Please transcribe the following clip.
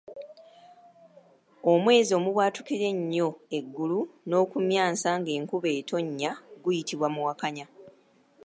Omwezi omubwatukira ennyo eggulu n’okumyansa ng’enkuba etonnya guyitibwa Muwakanya.